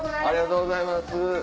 ありがとうございます。